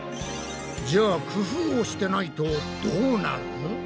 じゃあ工夫をしてないとどうなる？